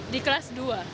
di kelas dua